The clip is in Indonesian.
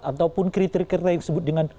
ataupun kriteria kriteria yang disebut dengan